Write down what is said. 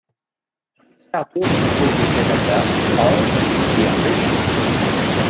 Ricciardo s'impose au Canada, en Hongrie et en Belgique.